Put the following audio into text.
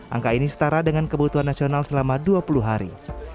angka ini setara dengan kebutuhan nasional selama dua puluh hari